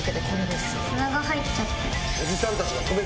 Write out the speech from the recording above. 砂が入っちゃって。